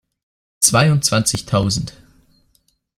Zweiundzwanzigtausend.